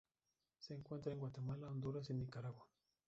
Se encuentra en Guatemala, Honduras, y Nicaragua.